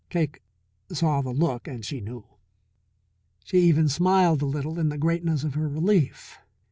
Cake saw the look, and she knew. She even smiled a little in the greatness of her relief.